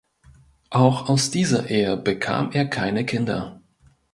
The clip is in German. Auch aus dieser Ehe bekam er keine Kinder.